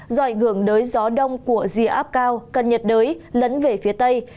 do ảnh hưởng đới gió đông của dìa áp cao cân nhiệt đới lấn về phía tây